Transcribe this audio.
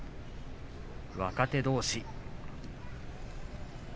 若手どうし。